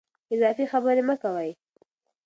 اضافي خبرې مه کوئ.